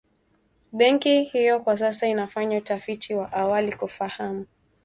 Benki hiyo kwa sasa inafanya utafiti wa awali kufahamu